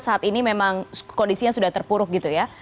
saat ini memang kondisinya sudah terpuruk gitu ya